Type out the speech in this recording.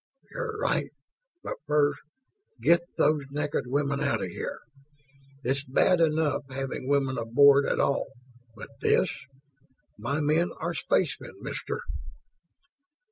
"You're right. But first, get those naked women out of here. It's bad enough, having women aboard at all, but this ... my men are spacemen, mister."